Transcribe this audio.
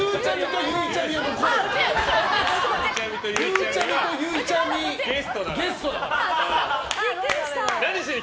ゆうちゃみとゆいちゃみは残れ！